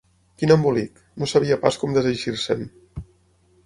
Quin embolic: no sabia pas com deseixir-se'n!